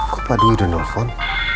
kok tadi udah nelfon